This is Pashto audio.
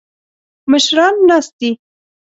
مشران ناست دي.